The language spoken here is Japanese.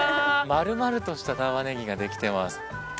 丸々としたタマネギができてます。